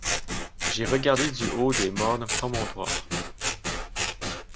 J'ai regardé du haut des mornes promontoires